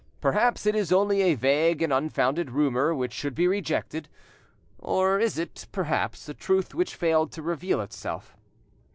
Perhaps it is only a vague and unfounded rumour, which should be rejected; or is it; perhaps, a truth which failed to reveal itself?